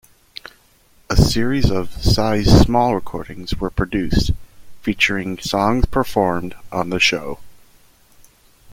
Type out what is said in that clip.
A series of "Size Small" records were produced, featuring songs performed on the show.